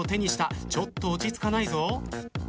ちょっと落ち着かないぞ。